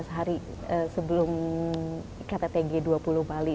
sehari sebelum kttg dua puluh bali